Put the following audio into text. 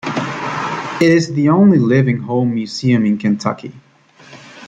It is the only living home museum in Kentucky.